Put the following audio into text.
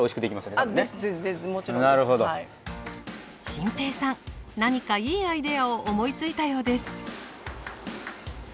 心平さん何かいいアイデアを思いついたようです。